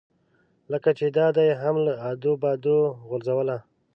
لکه چې دا دې هم له ادو باده غورځوله.